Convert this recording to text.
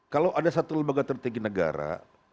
kalau ada satu lembaga tertinggi negara